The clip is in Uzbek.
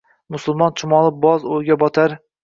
Musulmon chumoli boz o‘yga botar